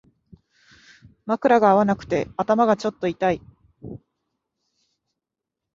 枕が合わなくて頭がちょっと痛い